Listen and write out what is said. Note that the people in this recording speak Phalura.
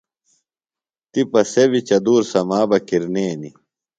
تِپہ سےۡ بیۡ چدُور سما بہ کِرنینیۡ۔